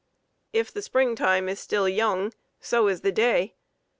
"If the springtime is still young, so is the day.